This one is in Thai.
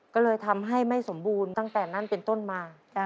ก็เลยทำให้ไม่สมบูรณ์ตั้งแต่นั้นเป็นต้นมา